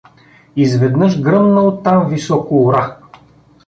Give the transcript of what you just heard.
Изведнъж гръмна оттам високо ура.